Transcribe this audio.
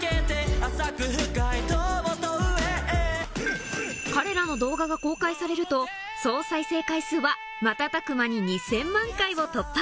浅く深い友と上へ彼らの動画が公開されると総再生回数は瞬く間に２０００万回を突破